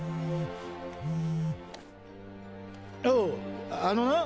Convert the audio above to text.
おうあのな。